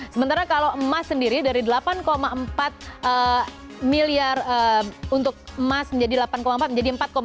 sementara kalau emas sendiri dari delapan empat miliar untuk emas menjadi delapan empat menjadi empat empat